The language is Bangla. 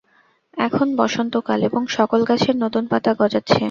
এখন বসন্তকাল এবং সকল গাছের নতুন পাতা গজাচ্ছে।